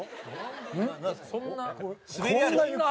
そんな。